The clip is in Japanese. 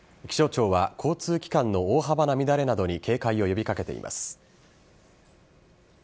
気象庁は交通機関の大幅な乱れなどに警戒を呼びかけています。